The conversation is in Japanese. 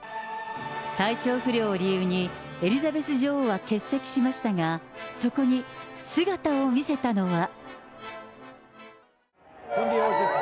体調不良を理由にエリザベス女王は欠席しましたが、そこに姿を見せたのは。